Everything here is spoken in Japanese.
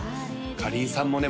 かりんさんもね